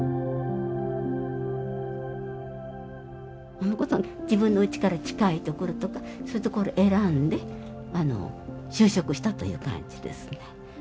濱子さん自分のうちから近いところとかそういうところ選んで就職したという感じですね。